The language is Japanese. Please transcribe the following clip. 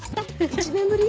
１年ぶり？